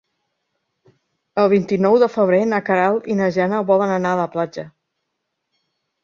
El vint-i-nou de febrer na Queralt i na Jana volen anar a la platja.